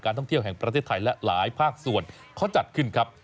ท่องเที่ยวแห่งประเทศไทยและหลายภาคส่วนเขาจัดขึ้นครับ